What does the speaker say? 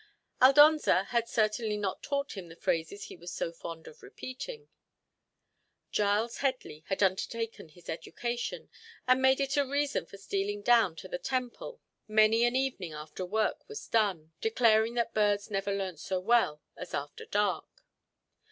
Aldonza had certainly not taught him the phrases he was so fond of repeating. Giles Headley had undertaken his education, and made it a reason for stealing down to the Temple many an evening after work was done, declaring that birds never learnt so well as after dark.